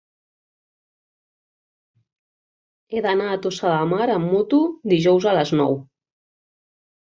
He d'anar a Tossa de Mar amb moto dijous a les nou.